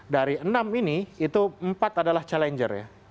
dari enam ini itu empat adalah challenger ya